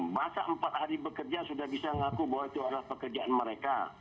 masa empat hari bekerja sudah bisa mengaku bahwa itu adalah pekerjaan mereka